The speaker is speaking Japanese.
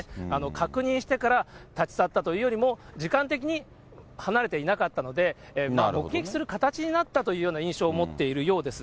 確認してから立ち去ったというよりも、時間的に離れていなかったので、目撃する形になったというような印象を持っているようです。